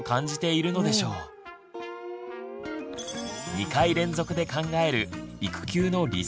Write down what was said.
２回連続で考える「育休の理想と現実」